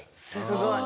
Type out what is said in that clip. すごい。